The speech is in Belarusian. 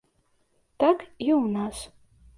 Так і ў нас.